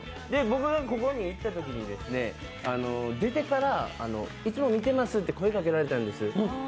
僕がここに行ったときに、出てから「いつも見てます」と声かけられたんです。